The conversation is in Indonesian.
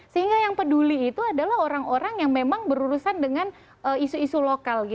sehingga yang peduli itu adalah orang orang yang memang berurusan dengan isu isu lokal